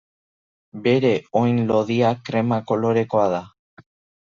Bere oin lodia krema kolorekoa da.